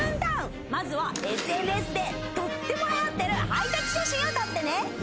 まずはＳＮＳでとってもはやってるハイタッチ写真を撮ってね